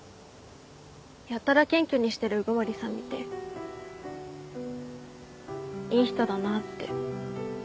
やたら謙虚にしてる鵜久森さん見ていい人だなって。